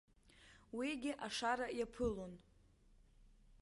Уигьы ашара иаԥылон.